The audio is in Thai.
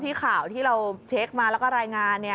แต่คราวที่เราเช็กมาและรายงาน